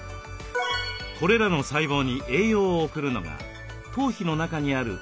これらの細胞に栄養を送るのが頭皮の中にある毛細血管です。